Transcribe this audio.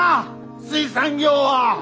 水産業は！